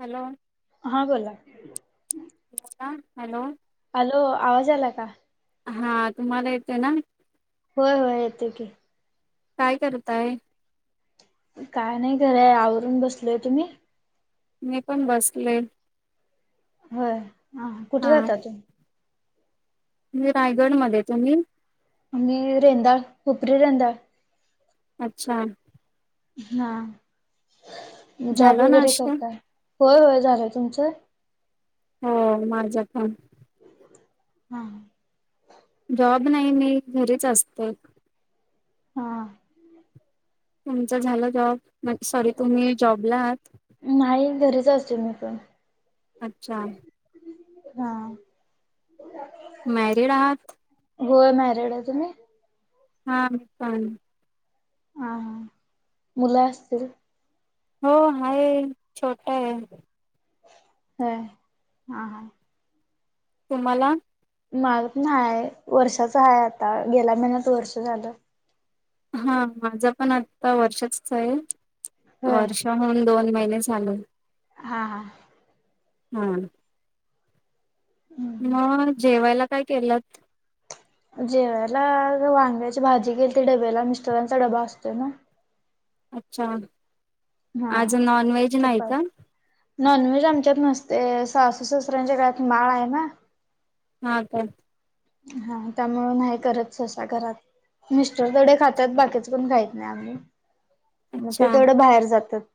Hello हां बोला hello hello आवाज आला का हा तुम्हाला येतंय ना होय होय येतो की काय करताय? काय नाही घरय आवरून बसलय. तुम्ही मी पण बसले होय ह कुठे राहता तू म्हणजे रायगडमध्ये तुम्ही आम्ही रेंदाळ खपरी रेंदाळ अच्छा हा जॉब झालं वगैरे नाश्ता करता होय होय झालं तुमचं हो माझ्या ख हम जॉब नाही मी घरीच असते हा तुमचं झालं जॉब म्हणजे सॉरी तुम्ही जॉबला आहात. नाही घरीच असतो मी पण अच्छा हा मॅरिड आहात. होय मॅरेड आहे तुम्ही हा प [unintelligible] ह ह मुलं असतील. हो हाय छोटा आहे. हम् हा हा तुम्हाला मग ना आहे वर्षाच आहे. आता गेल्या महिन्यात वर्ष झालं हा माझा पण आता वर्षच आहे. होय वर्ष हून दोन महिने चालू हा हां हां हम् मग जेवायला काय केलंत? जेव्याला वांग्याची भाजी केेली. ती डब्याला मिस्टरांचा डबा असतो ना. अच्छा हा. आज नॉन व्हेज नाही. चपाती का नॉनव्हेज आमच्यात नसते सासू सासऱ्यांच्या गळात माळ आहे ना हा का हा त्यामुळ आहे करतसा घरात मिस्टर डे खातात बाकीच पण खायत नाही. आम्ही मग अच्छा ते तेवढं बाहेर जातात.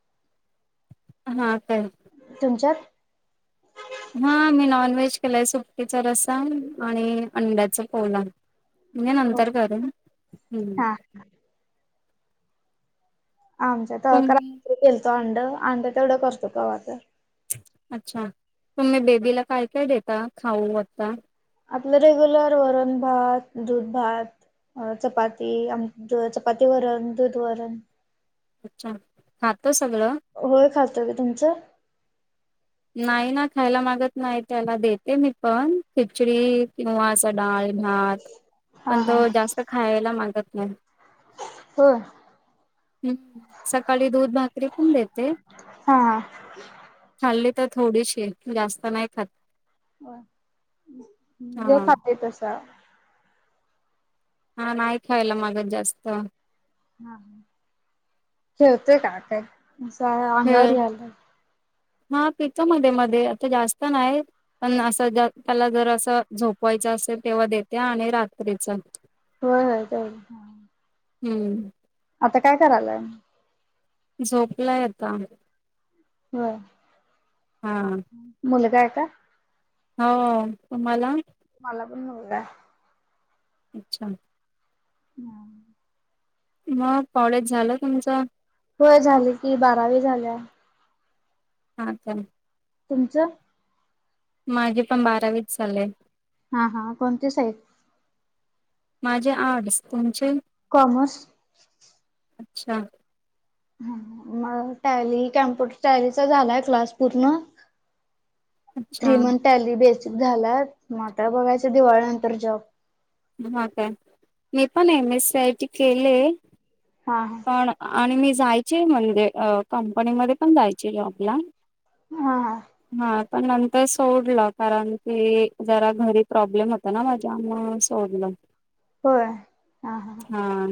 हा काय तुमच्या हा मी नॉन व्हेज केलाय सुटटीच रसाण आणि अंड्याच पोला म्हणजे नंतर करू ना हम्म ह आमच्या तरा तुम्ही गेलतो अंड अंड तेवढं करतो. का वाता अच्छा तुम्ही बेबीला काय काय देता खाऊ आत्ता? आपलं रेगुलर वरण भात, दूध भात, अ चपाती आम चपाती वरण, दूध वरण, अच्छा हांातो सगळं होय खातातो का तुमचं नाही ना खायला मागत नाही त्याला देते मी पण खिचडी किंवा डाळ, भात हा पण हा तो जास्त खायला मागत नाही. होय. हम्म सकाळी दूध भाकरी पण देते हा हा खाल्ली तर थोडीशी जास्त नाही खात. होय हा खाते तसा. हा नाही खायला माग जास्त. हा ठेवतेय का काय अस अंगावर खेळ याला हा पितो मध्ये, मध्ये आता जास्त नाही. पण असं त्याला जर असं झोपवायचं असेल तेव्हा देते आणि रात्रीच. होय होय. हम्म. आता काय करायलाय? झोपला ये आता. हो हा मुलगा आहे का? हो तुम्हाला? मला पण मुलगा अच्छा. हम्म. मग कॉलेज झालं तुमचं? होय झाली की बारावी झालीया. हा चाल [unintelligible] तुमच? माझे पण बारावीच चालेय. हा हा कोणती साईज? माझे आर्डस तुमचे? कॉमर्स. अच्छा. ह मग टयाली कॅम्प्युटर टयालीचा झालाय क्लास पूर्ण अच्छा थ्री मंथ आली बेसिक झालात म आता बघायचं दिवाळीनंतर जॉब. ह काय मी पण M, S, C, I, T केलेय. हा हा. पण आणि मी जायचे म्हणजे कंपनीमध्ये पण जायचे जॉबला. हा हा. हा पण नंतर सोडला कारण की जरा घरी प्रॉब्लेम होत ना माझ्या आ सोडल होय हा..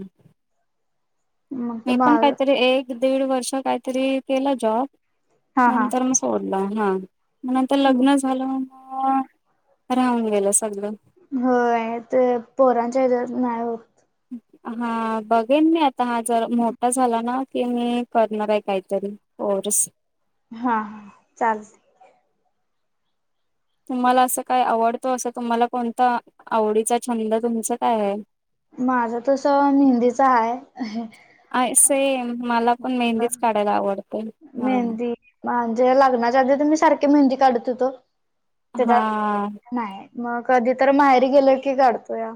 मग तर मी पण माग काहीतरी एक दीड वर्ष काहीतरी केलं जॉब हा हा नंतर म सोड हा म नंतर लग्न झालं मग राहून गेलं सगळ होय ते पोरांच्या यांच्यात नाही होत. हा बघेन मी आता हा जर मोठा झालाना की मी करणार आहे काहीतरी कोर्स. हा हा चालते. तुम्हाला असं काय आवडतो असं तुम्हाला कोणता आवडीचा छंद तुमचा काय आहे माझं तस मेहंदीचा आहेा अ सेम मला पण मेहंदीच काढायला आवडते ह मेहंदी म्हणजे लग्नाच्या आधी तर मी सारखे मेहंदी काढत होतो तेच्या हा नाही मग कधी तर माहेर गेलं की काढतो या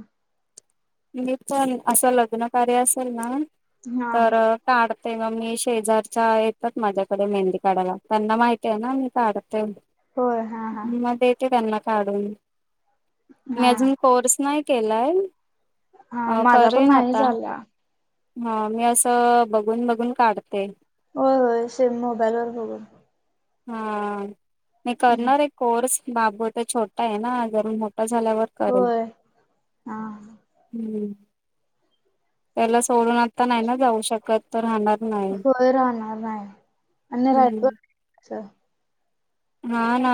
मी पण असं लग्न कार्य असेल ना हा तर काढते मग मी शेजारच्या येतात माझ्याकडे मेहंदी काढायला त्यांना माहती आहे ना मी काढते. होय हा हा मग येते त्यांना काढून मी हा अजून कोर्स नाही केलाय हा अ माझा पण करेन नाही आता झाला. हा मी असं बघून, बघून काढते. होय, होय सेम मोबाईल वर बघून. हा मी करणार एक कोर्स बाबूत छोट मो आहे ना जर मोठा झाल्यावर करून होय हा हम्म त्याला सोडून आता नाही ना जाऊ शकत तर राहणार नाही होय राहणार हम् अच्छा हा ना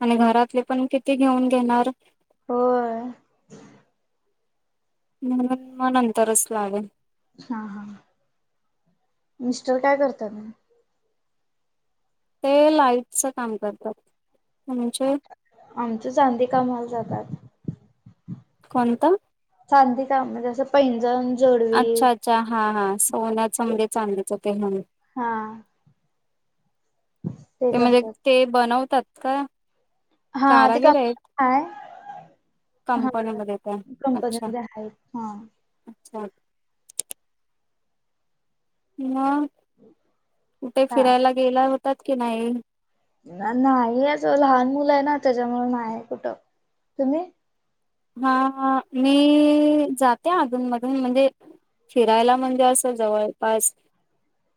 आणि घरातले पण किती घेऊन घेणार हो म्हणून मग नंतरच लावे हा हा मिस्टर काय करतात म ते लाईटच काम करतात म्हणजे आमच चांदी कामाल जातात कोणता चांदी काम म्हणजे असं पैंजण जोडवी अच्छा अच्छा हा हा सोन्याच म्हणजे चांलीच ते हा ते म्हणजे ते बनवतात का हा ते क कारागिर आहेत काय हा कंपनीमध्ये त्या अच्छा कंपनी आहेत हा अच्छा मग कुठे हा फिरायला गेला होतात कि नाही नाही लहान मुलं आहे ना त्याच्यामु नाही कुठं तुम्ही हा मी जाते अधूनमधून म्हणजे फिरायला म्हणजे असं जवळपास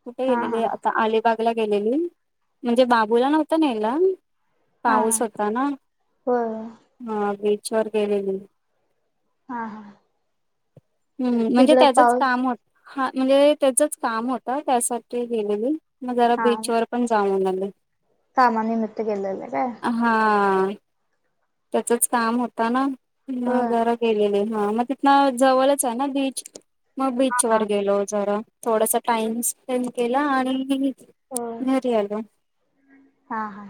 कुठे हा हा गेलेली आता अलिबागला गेलेली म्हणजे बाबूला नव्हत ना याला हा हा पाऊस होता ना होय हा बीच वर गेलेली हा हा हम्म म्हणजे तिकडे त्याचच पाऊस काम होत हा म्हणजे त्याचच काम होत त्यासाठी गेलेली मग जरा हा बीचवर पण जाऊलं कामानिमित्त केेलेलं काय हा त्याचच काम होत ना होय जरा गेलेले हा मग तिथन जवळच आहे ना बीच मग हा बीच हा वर गेलो जरा थोडासा टाइम स्पेंड केला आणि होय घरी आल हा हा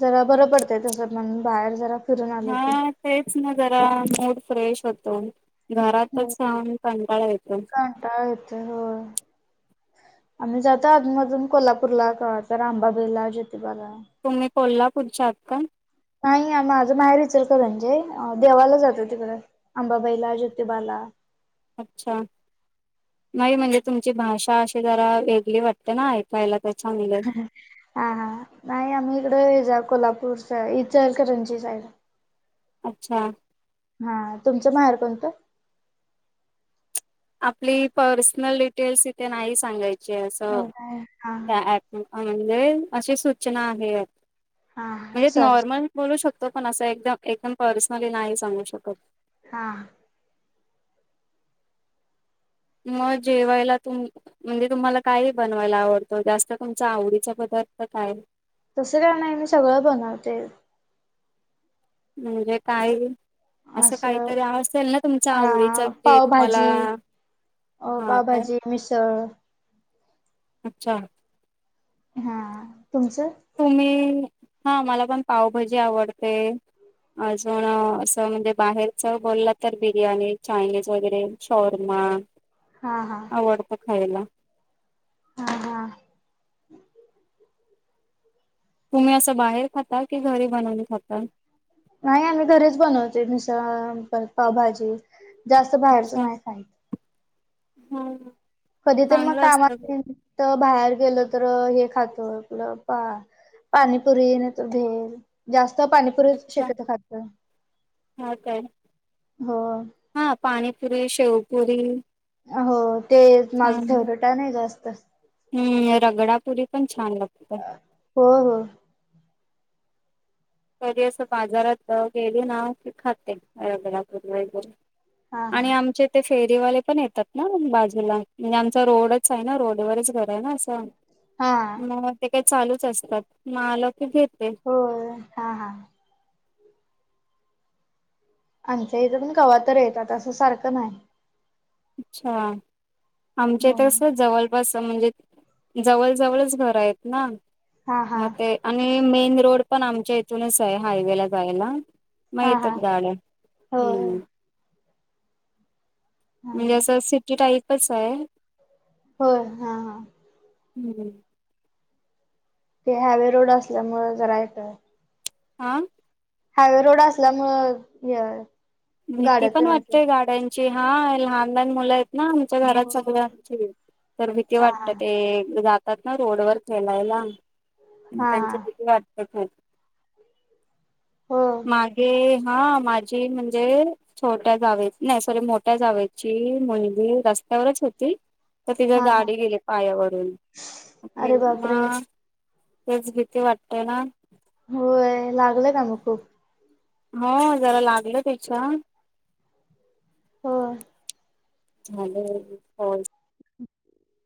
जरा बरं पडतंय तस म्हण बाहेर जरा फिरून आलं की हा तेच ना जरा मूड फ्रेश होतो घरातच हो सहान कंडाळा येतो तर हो आम्ही जातो अजूनमधून कोल्हापूरला कता रामबाबेला ज्योतिबाला तुम्ही कोल्हापूरच्याात का नाही माझं माहेर इचरत म्हणजे देवाला जातो तिकडें अंबा बैला ज्योति बाला अच्छा! नाही म्हणजे तुमची भाषा अशी जरा वेगळी वाटते. ते ना ऐकायला ते चांगलय. हा हा, नाही आम्ही इकडे हेज कोल्हापूरच इचलकरंची साईड. अच्छा. हा तुमचं माहेर कोणतं आपली पर्सनल डिटेल्स इथे नाही सांगायची असं हो काय हा ह प ह म्हणजे अशी सूचना आहे हा हा म्हणजे सॉरी सॉरी नॉर्मल बोलू शकतो पण असं एकदम एकदम पर्सनली नाही सांगू शकत हा. म जेवायला तुम्ही म्हणजे तुम्हाला काय बनवायला आवडतं जास्त तुमच्या आवडीचा पदार्थ काय? तसं का नाही मी सगळं बनवते. म्हणजे काही असं काहीतरी असेल ना तुमच अ आवडीच जे तुम्हाला पावभाजी अ हा काय पावभाजी, मिसळ. अच्छा! हा तुमचं? तुम्ही, हा मला पण पावभाजी आवडते. अजून असं म्हणजे बाहेरच बोलला तर बिर्याणी चायनीज वगैरे. शौर्मा. हा हा, हा हा. तुम्ही असं बाहेर खाता की घरी बनवून खाता? नाही आम्ही घरीच बनवतय मिसळ परत पावभाजी, जास्त बाहेरच नाही खाईत. हम. कधी तर मग कामा निमित्त बाहेर गेलं तर हे खातोय आपलं पा पाणीपुरी नाही तर भेल, जास्त पाणी पुरीच अच्छा शक्यतो खातोय, हा काय होय. हा पाणीपुरी, शेवपुरी. हो ते माझ छान फेवरेट आहे नाही जास्त. हम्म रगडापुरी पण छान लागते. हो हो. कध असं बाजारात गेली ना की खाते रगडापुरी वगैरे. हा हा आणि आमचे ते फेरीवाले पण येतात ना बाजूला म्हणजे आमचा रोडच आहे ना रोडवरच घर आहे ना. [unintelligible] हा म ते काय चालूच असतात मग आलं की घेते. हो, हा हा. आमच्या इथं पण कवा तर येतात असं सारखं नाही. अच्छा! आमच्या इथ कस जवळ बस म्हणजे, जवळ जवळच घर आहेत ना, हा हा मग ते आणि मेन रोड पण आमच्या इथूनच आहे हायवे ला जायला. म हा हा येतात गाड्या, होय हम्म. हा म्हणजे असं सिटी टाईपच आहे. हो, हा हा. हम्म. ते हायवे रोड असल्यामुळे जरा येतय. आं. हायवे रोड असल्यामुळ हे हाय. भीती पण वाटतेय गाड्यांची हा लहान लहान मुलं आहेत. ना आमच्या घरात सगळ होय. आमची तर भीती हा वाटत हा ते जातात ना रोडवर खेळायला हा हा त्यांच्यासाठी वाटपत होती हो मागे हा माझी म्हणजे छोट्या जावे नाही सॉरी मोठ्या जावेची मुलगी रस्त्यावरच होती तर तिच्या हा हा गाडी गेली पायावरून अरे ना बापरे तेच भीती वाटते ना होय लागलंय का मग खूप? हा जरा लागलं त्याच्या होय. झालं [unintelligible]